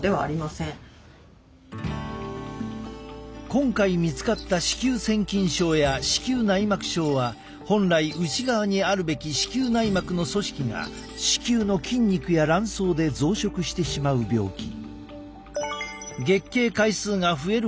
今回見つかった子宮腺筋症や子宮内膜症は本来内側にあるべき子宮内膜の組織が子宮の筋肉や卵巣で増殖してしまう病気。